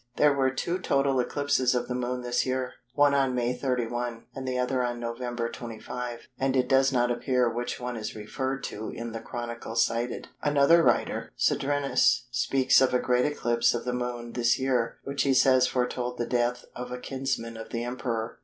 There were two total eclipses of the Moon this year, one on May 31, and the other on Nov. 25, and it does not appear which one is referred to in the Chronicle cited. Another writer, Cedrenus, speaks of a great eclipse of the Moon this year which he says foretold the death of a kinsman of the Emperor.